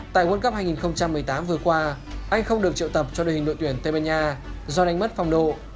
tại world cup hai nghìn một mươi tám vừa qua anh không được triệu tập cho đội hình đội tuyển tây ban nha do đánh mất phong độ